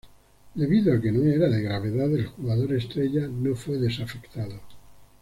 Debido a que no era de gravedad, el jugador estrella no fue desafectado.